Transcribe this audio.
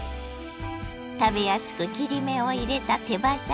食べやすく切り目を入れた手羽先。